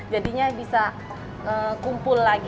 jadinya bisa kumpul lagi